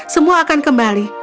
semua akan kembali